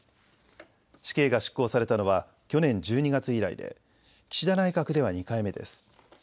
死刑が執行されたのは去年１２月以来で岸田内閣では２回目です。